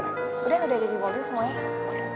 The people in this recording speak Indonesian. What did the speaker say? udah udah ada di mobil semuanya